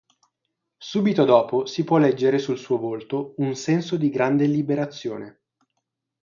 Subito dopo si può leggere sul suo volto un senso di grande liberazione.